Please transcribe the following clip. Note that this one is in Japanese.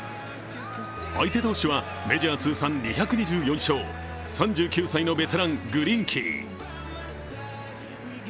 相手投手はメジャー通算２２４勝、３９歳のベテラン・グリンキー。